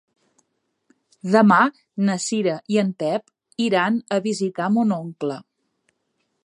Demà na Cira i en Pep iran a visitar mon oncle.